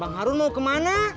bang harun mau ke mana